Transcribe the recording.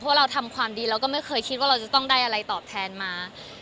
เพราะเราทำความดีเราก็ไม่เคยคิดว่าเราจะต้องได้อะไรตอบแทนมา